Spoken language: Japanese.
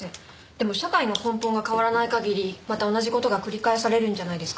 でも社会の根本が変わらない限りまた同じ事が繰り返されるんじゃないですかね。